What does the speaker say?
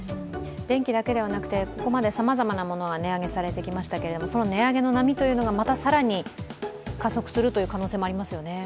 電気だけではなくて、ここまでさまざまなものが値上げさせてきましたけれども、その値上げの波というのがまた更に加速するという可能性もありますよね。